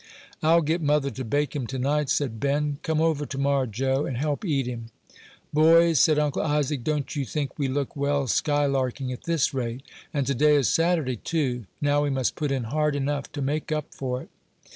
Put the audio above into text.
"I'll get mother to bake him to night," said Ben; "come over to morrow, Joe, and help eat him." "Boys," said Uncle Isaac, "don't you think we look well skylarking at this rate? and to day is Saturday, too; now we must put in hard enough to make up for it."